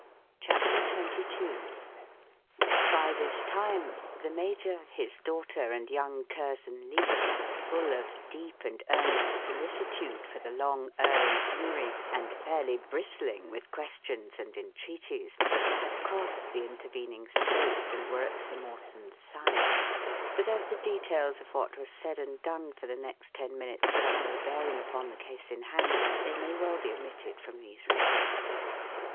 CHAPTER XXII By this time the major, his daughter, and young Curzon Leake, full of deep and earnest solicitude for the long erring Henry, and fairly bristling with questions and entreaties, had crossed the intervening space and were at Sir Mawson's side; but as the details of what was said and done for the next ten minutes have no bearing upon the case in hand, they may well be omitted from these records.